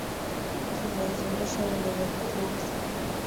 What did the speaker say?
Ongeza viazi lishe vilivyokatwa na kusafishwa